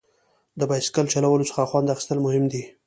د بایسکل چلولو څخه خوند اخیستل مهم دي.